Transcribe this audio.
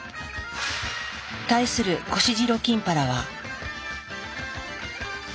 対するコシジロキンパラは。